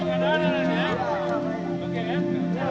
kalau dia kenal dengan saya